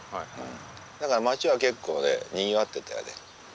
だから街は結構にぎわってたよね。